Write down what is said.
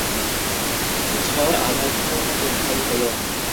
ঝড় আধা ঘণ্টার মতো স্থায়ী হলো।